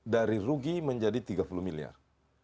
jadi rugi menjadi tiga puluh miliar